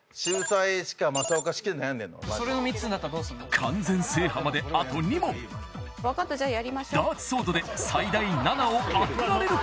完全制覇まであと２問分かったじゃあやりましょうダーツソードで最大７を当てられるか？